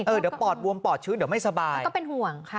เดี๋ยวปอดบวมปอดชื้นเดี๋ยวไม่สบายก็เป็นห่วงค่ะ